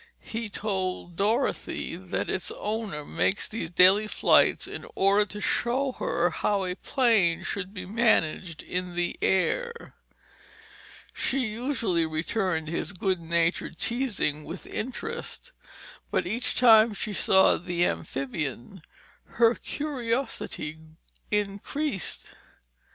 He told Dorothy that its owner made these daily flights in order to show her how a plane should be managed in the air. She usually returned his good natured teasing with interest, but each time she saw the amphibian, her curiosity increased.